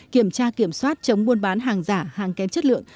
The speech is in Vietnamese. kiểm tra kiểm soát chống buôn bán hàng giả hàng kém chất lượng